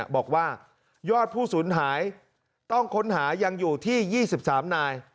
บอกว่ายอดผู้สูญหายต้องค้นหายังอยู่ที่๒๓นาย